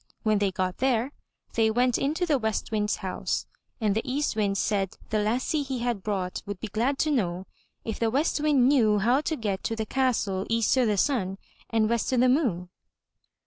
When they got there, they went into the West Wind's house and the East Wind said the lassie he had brought would be glad to know if the West Wind knew how to get to the castle EAST O' THE SUN AND WEST O' THE MOON.